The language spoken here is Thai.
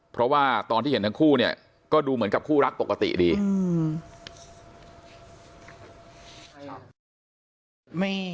เพราะว่าตอนที่เห็นทั้งคู่เนี่ยก็ดูเหมือนกับคู่รักปกติดีอืม